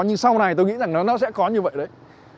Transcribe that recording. nhưng sau này tôi nghĩ rằng nó sẽ có như vậy đấy